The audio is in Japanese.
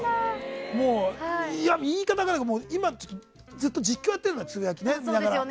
言い方があれだけど今ずっと実況やってるのつぶやきね、見ながら。